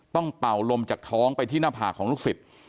เป่าลมจากท้องไปที่หน้าผากของลูกศิษย์